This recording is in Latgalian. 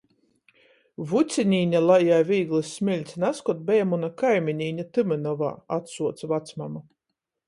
"Vucinīne, lai jai vīglys smiļts, nazkod beja muna kaiminīne Tymynovā," atsuoc vacmama.